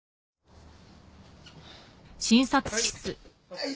はい。